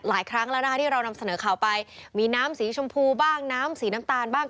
ครั้งแล้วนะคะที่เรานำเสนอข่าวไปมีน้ำสีชมพูบ้างน้ำสีน้ำตาลบ้าง